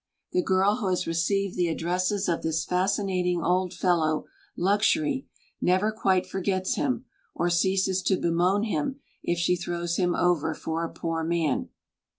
The girl who has received the addresses of this fascinating old fellow "Luxury," never quite forgets him, or ceases to bemoan him if she throws him over for a poor man.